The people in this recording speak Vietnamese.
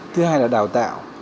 thứ hai là đào tạo